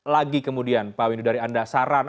lagi kemudian pak windu dari anda saran